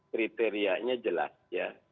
kriterianya jelas ya